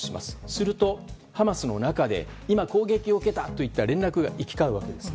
するとハマスの中で今、攻撃を受けたという連絡が行き交うわけです。